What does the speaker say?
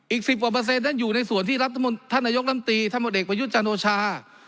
อีกสิบบ่าเปอร์เสนต์นั้นอยู่ในส่วนที่ท่านหน้ายกนำตีท่านบทเอกไปยุทธ์จาโนชา